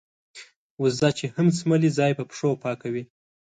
وزه چې هم څملې ځای په پښو پاکوي.